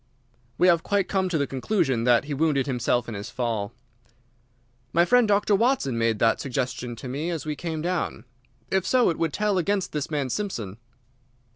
"We have quite come to the conclusion that he wounded himself in his fall." "My friend Dr. Watson made that suggestion to me as we came down. If so, it would tell against this man Simpson."